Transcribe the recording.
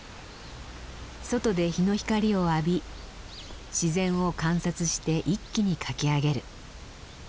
外で日の光を浴び自然を観察して一気に描き上げる。